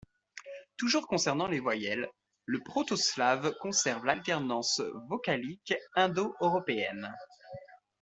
Toujours concernant les voyelles, le proto-slave conserve l'alternance vocalique indo-européenne.